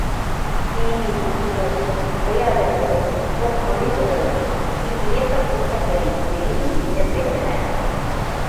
தேநீர் விருந்துகளும், உரையாடல்களும், சொற்பொழிவுகளும் இவ்வியக்கக் கூட்டங்களில் பெரிதும் இடம்பெற்றன.